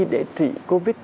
để trị covid